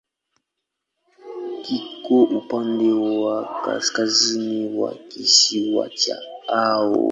Kiko upande wa kaskazini wa kisiwa cha Hao.